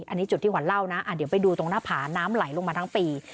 อันนี้จุดที่ขวัญเล่านะเดี๋ยวไปดูตรงหน้าผาน้ำไหลลงมาทั้งปี